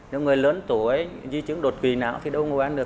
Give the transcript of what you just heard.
nếu người lớn tuổi di trưởng đột quỳ não thì đâu ngồi ăn được